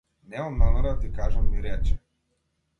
Немам намера да ти кажам ми рече.